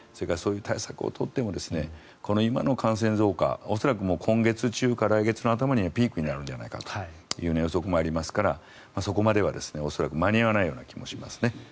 そういう対策を取っても今の感染増加恐らく今月中か来月の頭にはピークになるんじゃないかという予測もありますからそこまでには間に合わない気もしますね。